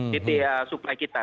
di supaya kita